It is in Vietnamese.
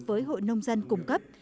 với hội nông dân cung cấp